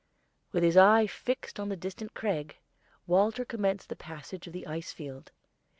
With his eye fixed on the distant crag, Walter commenced the passage of the ice field.